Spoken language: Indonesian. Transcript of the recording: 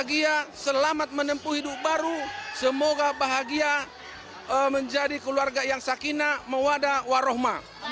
semoga bahagia selamat menempuh hidup baru semoga bahagia menjadi keluarga yang sakinah mewadah warohmah